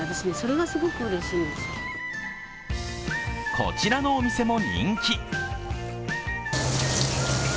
こちらのお店も人気。